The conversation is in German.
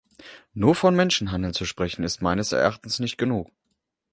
Nur vom Menschenhandel zu sprechen, ist meines Erachtens nicht genug.